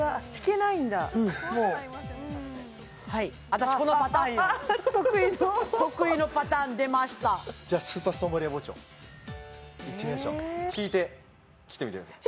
私このパターンよ得意の得意のパターン出ましたじゃスーパーストーンバリア包丁いってみましょう引いて切ってみてください